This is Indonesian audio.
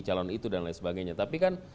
calon itu dan lain sebagainya tapi kan